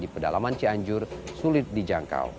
di pedalaman cianjur sulit dijangkau